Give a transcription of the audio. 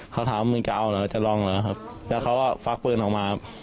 เขาถามว่ามึงจะเอาหรอจะลองหรอครับแล้วเขาว่าฟักปืนออกมาครับ